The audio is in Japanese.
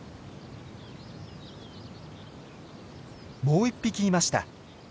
もう１匹いました。